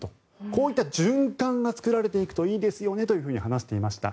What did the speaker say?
こういった循環が作られていくといいですよねと話していました。